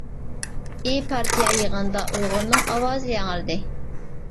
ئى پارتىيە يىغىنىدا ئۇيغۇرنىڭ ئاۋازى ياڭرىدى.